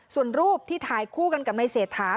ส่วนรูปที่ถ่ายคู่กันกับนายเศรษฐา